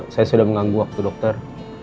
saya sudah mengganggu waktu dokter